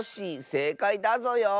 せいかいだぞよ。